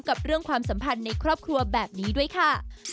กับเรื่องความสัมพันธ์ในครอบครัวแบบนี้ด้วยค่ะ